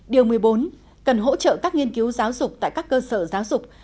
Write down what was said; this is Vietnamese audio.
điều một mươi bốn cần hỗ trợ các nghiên cứu giáo dục tại các cơ sở giáo dục